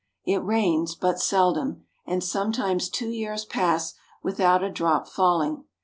It rains but seldom, and sometimes two years pass without a drop fall ing.